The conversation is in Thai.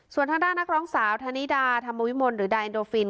ส่วนทางด้านนักร้องสาวธนิดาธรรมวิมลหรือไดโดฟิน